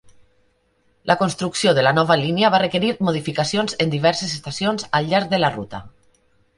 La construcció de la nova línia va requerir modificacions en diverses estacions al llarg de la ruta.